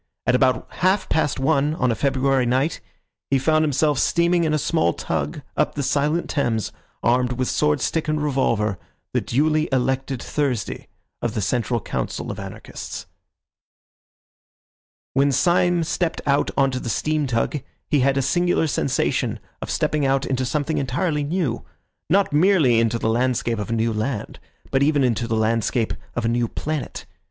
At about half past one on a February night he found himself steaming in a small tug up the silent Thames, armed with swordstick and revolver, the duly elected Thursday of the Central Council of Anarchists. When Syme stepped out on to the steam tug he had a singular sensation of stepping out into something entirely new; not merely into the landscape of a new land, but even into the landscape of a new planet.